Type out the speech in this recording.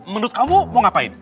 menurut kamu mau ngapain